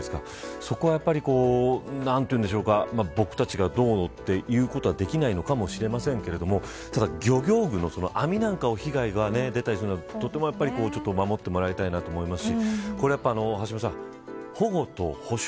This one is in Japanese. そこは僕たちがどうということはできないのかもしれませんけれどもただ漁業具の網なんかに被害が出たりするのは守ってもらいたいなと思いますし